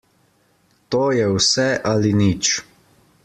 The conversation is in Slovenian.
To je vse ali nič.